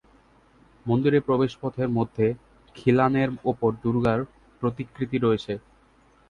মন্দিরের প্রবেশপথের মধ্য খিলানের ওপর দুর্গার প্রতিকৃতি রয়েছে।